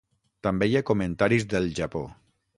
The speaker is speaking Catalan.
També hi ha comentaris del Japó.